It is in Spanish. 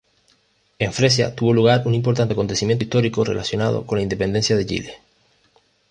En Fresia tuvo lugar un importante acontecimiento histórico relacionado con la Independencia de Chile.